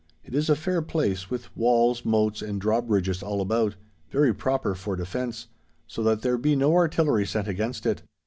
It is a fair place, with walls, moats, and drawbridges all about—very proper for defence—so that there be no artillery set against it.